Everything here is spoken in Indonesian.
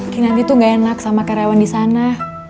kinanti tuh gak enak sama karyawan di sana